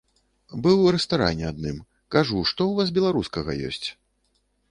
Быў у рэстаране адным, кажу, што ў вас беларускага ёсць?